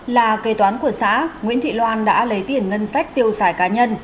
là kế toán của xã nguyễn thị loan đã lấy tiền ngân sách tiêu xài cá nhân